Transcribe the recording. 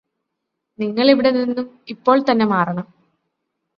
നിങ്ങള് ഇവിടെ നിന്നും ഇപ്പോൾ തന്നെ മാറണം